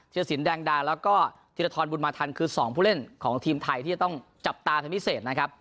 สินแดงดาแล้วก็ธิรทรบุญมาทันคือ๒ผู้เล่นของทีมไทยที่จะต้องจับตาเธอพิเศษนะครับ